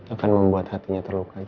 akan membuat hatinya terluka